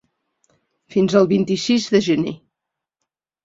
Fins el vint-i-sis de gener.